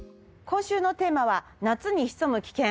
今週のテーマは「夏に潜む危険」。